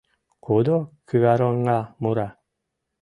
Кудо кӱвароҥа мура?